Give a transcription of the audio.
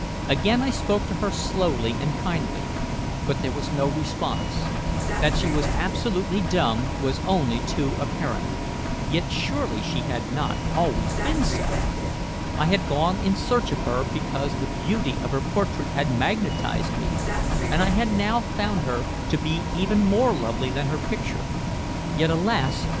Again I spoke to her slowly and kindly, but there was no response. That she was absolutely dumb was only too apparent. Yet surely she had not always been so! I had gone in search of her because the beauty of her portrait had magnetized me, and I had now found her to be even more lovely than her picture, yet, alas!